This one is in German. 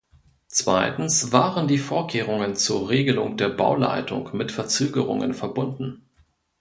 Zweitens waren die Vorkehrungen zur Regelung der Bauleitung mit Verzögerungen verbunden.